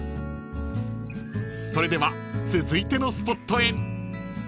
［それでは続いてのスポットへ］